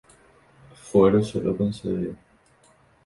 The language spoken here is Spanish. Fuero se lo concedió.